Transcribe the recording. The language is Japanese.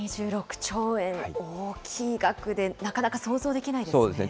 １０２６兆円、大きい額でなかなか想像できないですね。